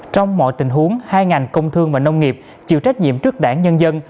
trong mọi tình huống hai ngành công thương và nông nghiệp chịu trách nhiệm trước đảng nhân dân